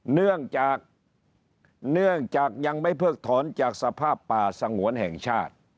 เนื่องจากยังไม่เพิ่งถอนจากสภาพป่าสงวนแห่งชาติ